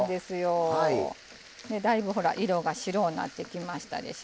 だいぶ、色が白うなってきましたでしょ。